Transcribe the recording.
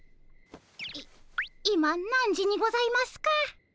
い今何時にございますか？